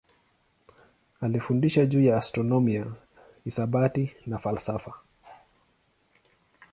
Alifundisha juu ya astronomia, hisabati na falsafa.